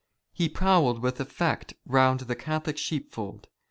He prowled with effect round the Catholic sheepfold.